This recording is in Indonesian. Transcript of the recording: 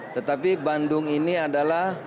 tetapi bandung ini adalah